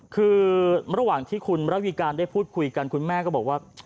คือระหว่างที่คุณระวีการได้พูดคุยกันคุณแม่ก็บอกว่า